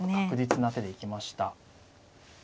確実な手で行きました。